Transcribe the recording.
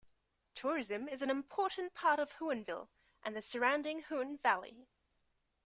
Tourism is an important part of Huonville and the surrounding Huon Valley.